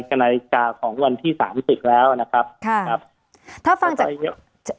กรรติกาของวันที่สามสิบแล้วนะครับค่ะถ้าฟังจะ